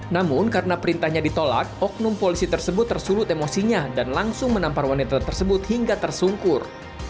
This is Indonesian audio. namun karena perintahnya ditolak oknum polisi tersebut tersulut emosinya dan langsung menampar wanita tersebut hingga tersungkur